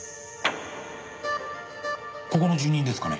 ここの住人ですかね？